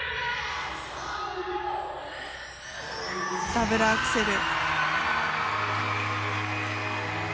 ダブルアクセル。